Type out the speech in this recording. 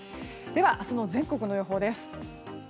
では、明日の全国の予報です。